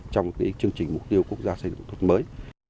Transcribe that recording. trong cái chương trình mục tiêu quốc gia xây dựng nông thôn mới